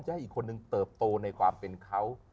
ให้อีกคนนึงเติบโตในความเป็นเขา